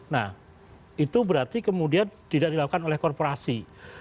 nah itu berarti kemudian tidak dilakukan oleh korporasi